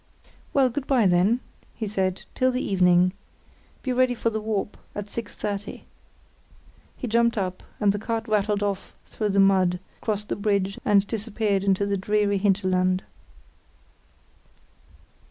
"Well, good bye then," he said, "till the evening. Be ready for the warp at 6.30." He jumped up, and the cart rattled off through the mud, crossed the bridge, and disappeared into the dreary hinterland.